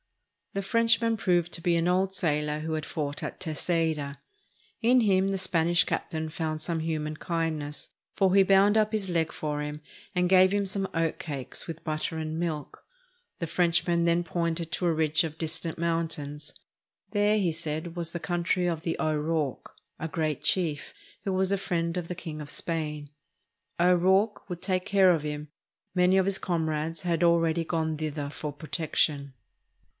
The Frenchman proved to be an old sailor who had fought at Terceira. In him the Spanish captain found some human kind ness, for he bound up his leg for himand gave him 5" SPAIN some oatcakes with butter and milk. The Frenchman then pointed to a ridge of distant mountains. There, he said, was the country of the O'Rourke, a great chief, who was a friend of the King of Spain. O'Rourke would take care of him; many of his comrades had already gone thither for protection.